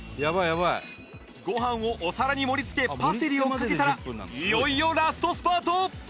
ご飯をお皿に盛り付けパセリをかけたらいよいよラストスパート！